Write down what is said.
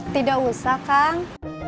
tidak usah kang